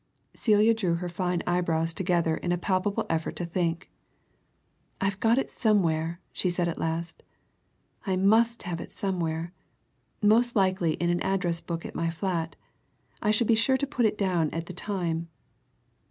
Celia drew her fine eyebrows together in a palpable effort to think. "I've got it somewhere," she said at last. "I must have it somewhere most likely in an address book at my flat I should be sure to put it down at the time."